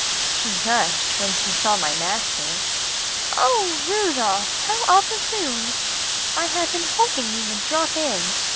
She gushed when she saw my master. "Oh! Rudolph, how opportune. I have been hoping you would drop in.